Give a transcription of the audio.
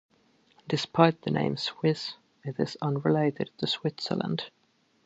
Despite the name "Swiss," it is unrelated to Switzerland.